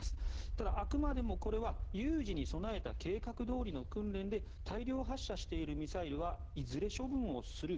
ただ、あくまでもこれは有事に備えた計画どおりの訓練で大量発射しているミサイルはいずれ処分をする